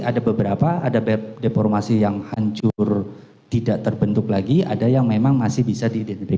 ada beberapa ada deformasi yang hancur tidak terbentuk lagi ada yang memang masih bisa diidentifikasi